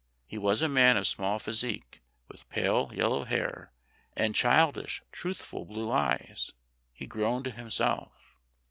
He was a man of small physique, with pale yellow hair and childish, truthful blue eyes. He groaned to himself.